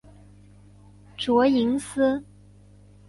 卓颖思。